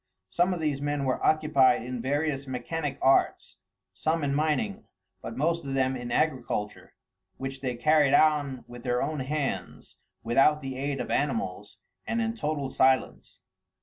Some of these men were occupied, in various mechanic arts, some in mining, but most of them in agriculture, which they carried on with their own hands, without the aid of animals, and in total silence.